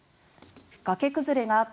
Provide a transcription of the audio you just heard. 崖崩れがあった